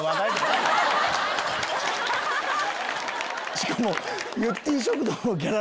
しかも。